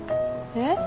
えっ？